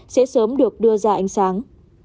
sẽ sớm được đưa ra ánh sáng